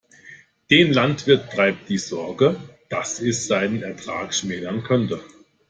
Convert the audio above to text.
Den Landwirt treibt die Sorge, dass es seinen Ertrag schmälern könnte.